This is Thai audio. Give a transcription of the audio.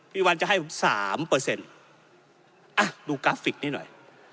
พี่วันจะให้สามเปอร์เซ็นต์อ่ะดูกราฟิกนี่หน่อย